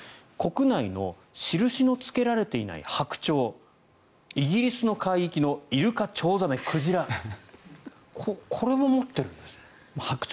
国内の印のつけられていない白鳥イギリスの海域のイルカ、チョウザメ、鯨これも持ってるんですね。